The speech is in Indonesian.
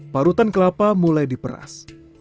parutan kelapa mulai diperas